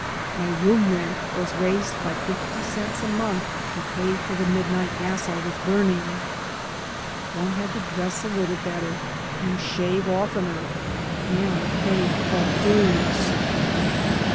My room rent was raised by fifty cents a month to pay for the midnight gas I was burning. One had to dress a little better, and shave oftener, and pay club dues.